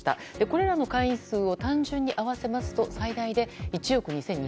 これらの会員数を単純に合わせますと最大で１億２２００万。